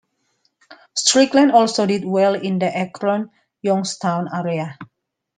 Strickland also did well in the Akron-Youngstown Area.